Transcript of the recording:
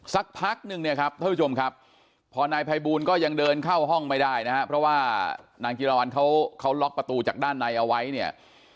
สักพักนึงเนี่ยครับท่านผู้ชมครับพอนายภัยบูลก็ยังเดินเข้าห้องไม่ได้นะครับเพราะว่านางจิรวรรณเขาล็อกประตูจากด้านในเอาไว้เนี่ย